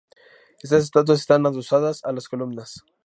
Estas estatuas están adosadas a las columnas.